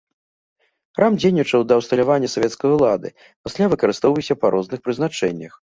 Храм дзейнічаў да ўсталявання савецкай улады, пасля выкарыстоўваўся па розных прызначэннях.